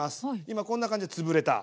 今こんな感じで潰れた。